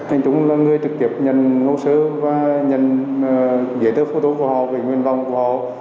anh trung là người trực tiếp nhận hồ sơ và nhận giấy thửa phụ tố của họ về nguyên đồng của họ